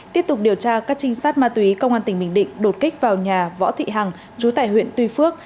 tiếp tục điều tra các trinh sát ma túy công an tỉnh bình định đột kích vào nhà võ thị hằng chú tại huyện tuy phước